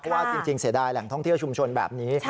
เพราะว่าจริงเสียดายแหล่งท่องเที่ยวชุมชนแบบนี้